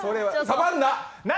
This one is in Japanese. サバンナ！